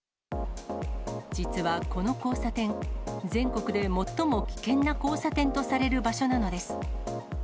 実はこの交差点、全国で最も危険な交差点とされる場所なのです。